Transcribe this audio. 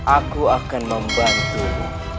aku akan membantumu